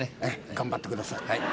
頑張ってください。